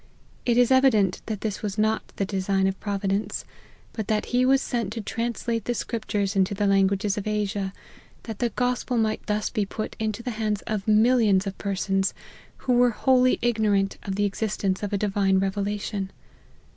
It is evident that this was not the design of Providence, but that he was sent to translate the scriptures into the lan guages of Asia, that the gospel might thus be put into the hands of millions of persons who were wholly ignorant of the existence of a divine revela* tion.